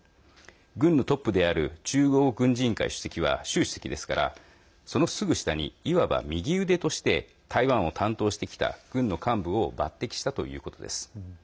軍のトップである中央軍事委員会主席は習主席ですからそのすぐ下に、いわば右腕として台湾を担当してきた軍の幹部を抜てきしたということです。